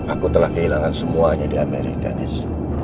aku telah kehilangan semuanya di amerikanis